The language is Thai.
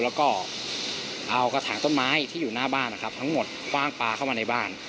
แล้วกระถังต้นไม้ที่อยู่หน้าบ้านทั้งหมดก็กอ้างปลาเข้ามาในบ้าน